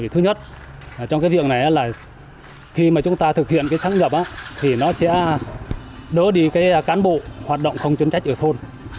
thứ nhất trong cái việc này là khi mà chúng ta thực hiện cái sáng lập thì nó sẽ đỡ đi cái cán bộ hoạt động không chuyên trách ở thôn